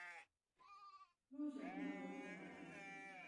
لوی جنجال درته جوړوي.